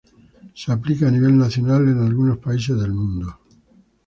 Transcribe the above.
Se aplica a nivel nacional en algunos países del mundo.